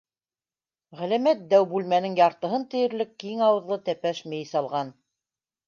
Ғәләмәт дәү бүлмәнең яртыһын тиерлек киң ауыҙлы тәпәш мейес алған.